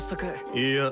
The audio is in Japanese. いや。